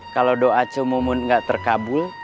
kalau doa cemumun gak terkabul